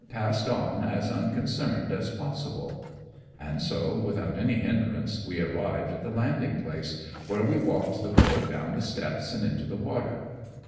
passed on as unconcerned as possible ; and so, without any hindrance, we arrived at the landing place, where we walked the bullock down the steps and into the water.